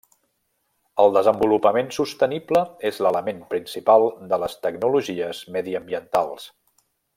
El desenvolupament sostenible és l'element principal de les tecnologies mediambientals.